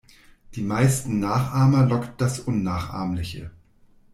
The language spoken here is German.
Die meisten Nachahmer lockt das Unnachahmliche.